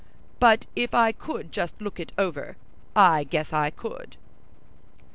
But if I could just look it over, I guess I could."